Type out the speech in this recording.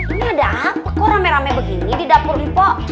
ini ada apa kok rame rame begini di dapur ibu